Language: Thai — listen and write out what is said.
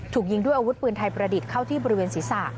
ถูกยิงด้วยอาวุธปืนไทยประดิษฐ์เข้าที่บริเวณศีรษะ